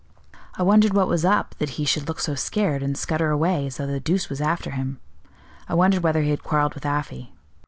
I wondered what was up that he should look so scared, and scutter away as though the deuce was after him; I wondered whether he had quarreled with Afy.